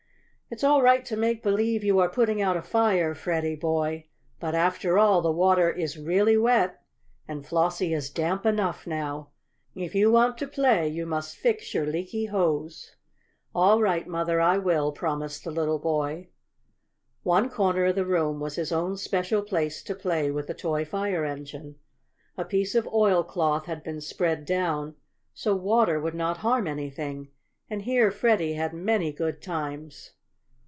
"It's all right to make believe you are putting out a fire, Freddie boy, but, after all, the water is really wet and Flossie is damp enough now. If you want to play you must fix your leaky hose." "All right, Mother, I will," promised the little boy. One corner of the room was his own special place to play with the toy fire engine. A piece of oil cloth had been spread down so water would not harm anything, and here Freddie had many good times.